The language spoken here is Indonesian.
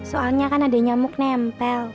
soalnya kan ada nyamuk nempel